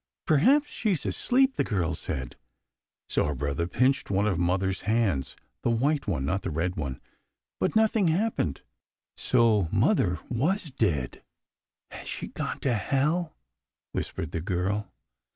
" Perhaps she's asleep," the girl said ; so her brother pinched one of mother's hands the 222 AND WHO SHALL SAY white one, not the red one but nothing hap pened, so mother was dead. " Has she gone to hell ?" whispered the girl.